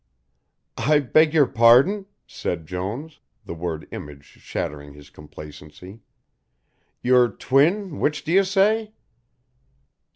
"I beg your pardon," said Jones, the word image shattering his complacency. "Your twin which do you say?"